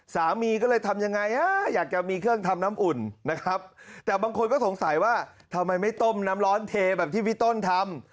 สามีก็เลยทำยังไงอยากจะมีเครื่องทำน้ำอุ่นนะครับแต่บางคนก็สงสัยว่าทำไมไม่ต้มน้ำร้อนเทแบบที่พี่ต้นทำ